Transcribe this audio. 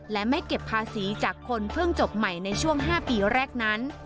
และไม่เก็บภาษีจากคนเพิ่งจบใหม่ในช่วง๕ปีแรกนั้น